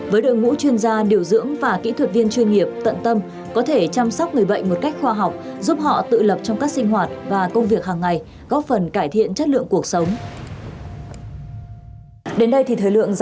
với đội ngũ chuyên gia điều dưỡng và kỹ thuật viên chuyên nghiệp tận tâm có thể chăm sóc người bệnh một cách khoa học giúp họ tự lập trong các sinh hoạt và công việc hàng ngày góp phần cải thiện chất lượng cuộc sống